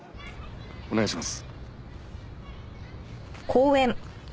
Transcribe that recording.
お願いします。